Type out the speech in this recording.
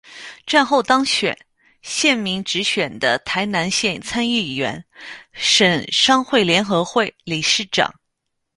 战后当选县民直选的台南县参议员省商会联合会理事长。